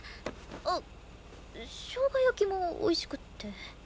あっしょうが焼きも美味しくって。